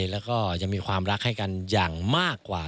แล้วก็ยังมีความรักให้กันอย่างมากกว่า